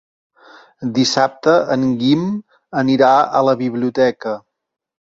Dissabte en Guim anirà a la biblioteca.